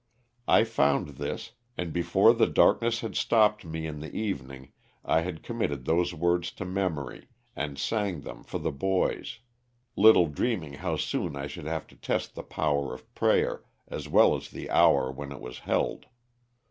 I found this, and bofore the darkness had stopped me in the evening I had com mitted those words to memory and sang them for the boys, little dreaming how soon I should have to test the power of prayer as well as the hour when it was held.